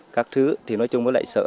các thứ nói chung là lại sợ